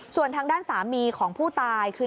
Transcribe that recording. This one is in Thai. ส่วนทางด้านสามีของผู้ตายคือ